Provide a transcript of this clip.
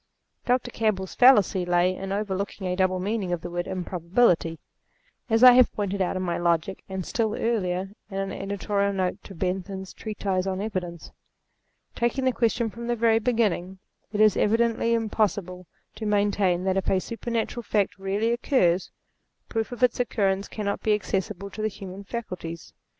Dr. Campbell's fallacy lay in overlooking a double meaning of the word improbability ; as I have pointed out in my Logic, and, still earlier, in an editorial note to Bentham's treatise on Evidence. Taking the question from the very beginning ; it is evidently impossible to maintain that if a super natural fact really occurs, proof of its occurrence cannot be accessible to the human faculties.